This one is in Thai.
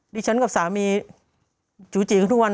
ที่ฉันกับสามีจู๊อะจี๊ยอยู่ทุกวัน